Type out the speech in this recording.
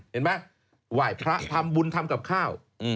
เห็นไหมไหว้พระทำบุญทำกับข้าว